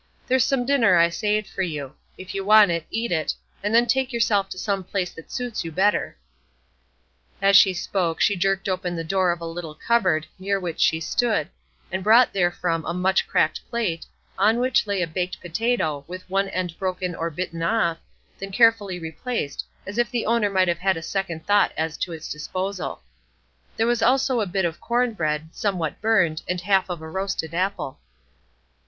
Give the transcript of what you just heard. There's some dinner I saved for you. If you want it, eat it, and then take yourself to some place that suits you better." As she spoke, she jerked open the door of a little cupboard near which she stood, and brought therefrom a much cracked plate, on which lay a baked potato, with one end broken or bitten off, then carefully replaced, as if the owner might have had a second thought as to its disposal; there was also a bit of corn bread, somewhat burned, and half of a roasted apple.